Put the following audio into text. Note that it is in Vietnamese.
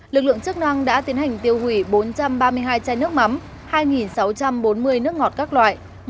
lực lượng chức năng đã tiến hành tiêu hủy bốn trăm ba mươi hai chai nước mắm hai sáu trăm bốn mươi nước ngọt các loại